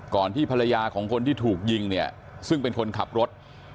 ที่ภรรยาของคนที่ถูกยิงเนี่ยซึ่งเป็นคนขับรถ